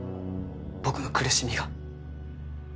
僕の苦しみが。